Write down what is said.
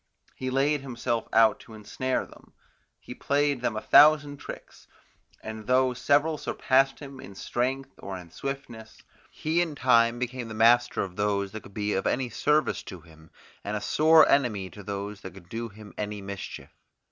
He laid himself out to ensnare them; he played them a thousand tricks; and though several surpassed him in strength or in swiftness, he in time became the master of those that could be of any service to him, and a sore enemy to those that could do him any mischief.